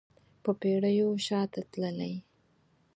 په پیړیو شاته تللی